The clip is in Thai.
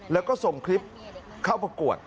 แล้วก็ส่งคลิปเข้าประกวด